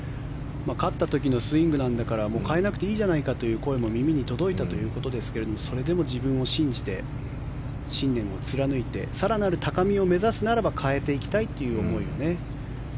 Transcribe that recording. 勝った時のスイングなんだから変えなくていいじゃないかという声も耳に届いたということですがそれでも自分を信じて信念を貫いて更なる高みを目指すならば変えていきたいという思いをね。